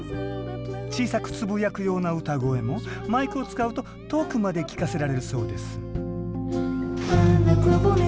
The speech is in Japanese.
小さくつぶやくような歌声もマイクを使うと遠くまで聞かせられるそうです